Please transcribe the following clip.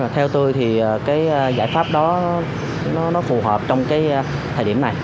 theo tôi thì cái giải pháp đó nó phù hợp trong cái thời điểm này